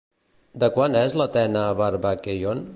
De quan és l'Atena Varvakeion?